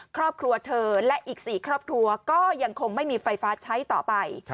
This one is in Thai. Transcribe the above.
ครอบครัวเธอและอีก๔ครอบครัวก็ยังคงไม่มีไฟฟ้าใช้ต่อไป